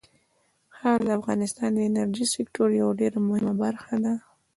خاوره د افغانستان د انرژۍ سکتور یوه ډېره مهمه برخه ده.